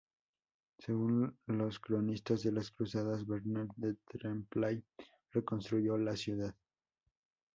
Según los cronistas de las cruzadas, Bernard de Tremblay reconstruyó la ciudad.